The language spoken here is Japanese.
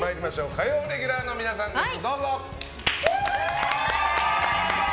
火曜レギュラーの皆さんです。